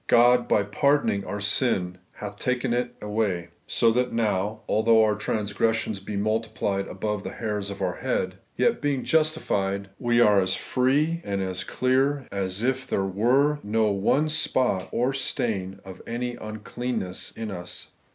God, by par doning our sin, hath taken it away ; so that now, although our transgressions be multiiilied above the hairs of our head, yet, being justified, we are as free and as clear as if there were no one spot or stain of any uncleanness in us.